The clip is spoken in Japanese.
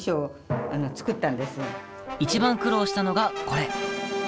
一番苦労したのが、これ！